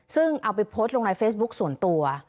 ซึ่งเอาไปโพสต์ลงในเฟซบุ๊คส่วนตัว